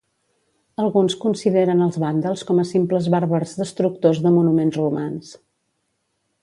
Alguns consideren els vàndals com a simples bàrbars destructors de monuments romans.